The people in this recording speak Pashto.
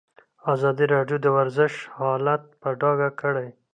ازادي راډیو د ورزش حالت په ډاګه کړی.